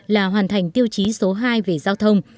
là hoàn thành tiêu chí số hai về giao thông